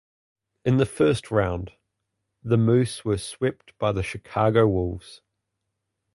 In the first round, the Moose were swept by the Chicago Wolves.